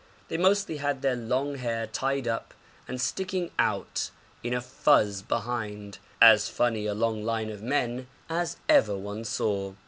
They mostly had their long hair tied up and sticking out in a fuz behind, as funny a long line of men as ever one saw.